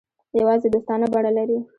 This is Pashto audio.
یوازې دوستانه بڼه لري.